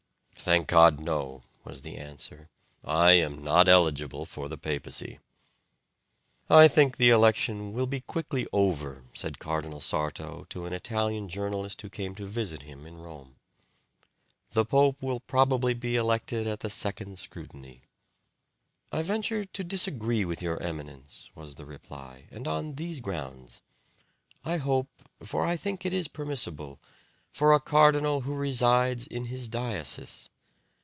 "Thank God, no," was the answer; "I am not eligible for the papacy." "I think the election will be quickly over," said Cardinal Sarto to an Italian journalist who came to visit him in Rome. "The pope will probably be elected at the second scrutiny." "I venture to disagree with your Eminence," was the reply, "and on these grounds. I hope for I think it is permissible for a cardinal who resides in his diocese.